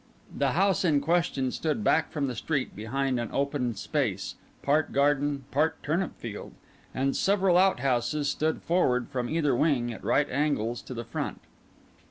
The house in question stood back from the street behind an open space, part garden, part turnip field; and several outhouses stood forward from either wing at right angles to the front.